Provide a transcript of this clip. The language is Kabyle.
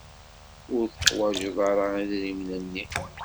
Ur teḥwaǧeḍ ara idrimen-nni.